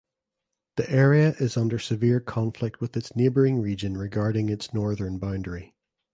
The area is under severe conflict with its neighbouring region regarding its northern boundary.